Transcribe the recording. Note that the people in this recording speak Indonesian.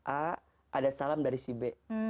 a ada salam dari si b